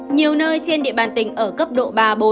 nhiều nơi trên địa bàn tỉnh ở cấp độ ba bốn